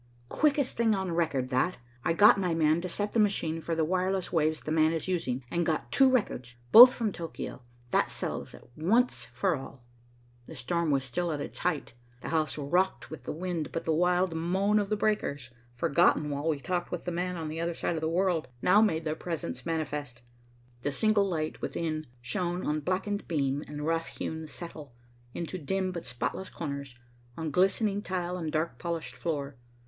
"Quickest thing on record, that. I got my man to set the machine for the wireless waves 'the man' is using, and got two records, both from Tokio. That settles it, once for all." The storm was still at its height. The house rocked with the wind, but the wild moan of the breakers, forgotten while we talked with the man on the other side of the world, now made their presence manifest. The single light within shone on blackened beam and rough hewn settle, into dim but spotless corners, on glistening tile and dark polished floor.